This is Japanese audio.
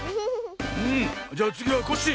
うんじゃあつぎはコッシー。